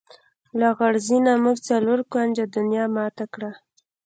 لغړزنیه! موږ څلور کونجه دنیا ماته کړه.